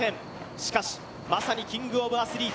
しかし、まさにキング・オブ・アスリート。